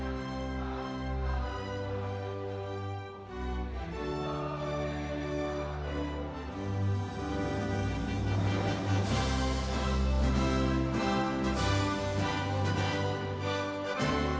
baik kami persilakan untuk hadirin duduk kembali